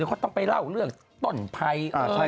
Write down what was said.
เขาต้องไปเล่าเรื่องต้นไพร